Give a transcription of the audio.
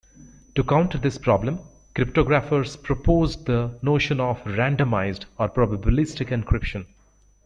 To counter this problem, cryptographers proposed the notion of "randomized" or probabilistic encryption.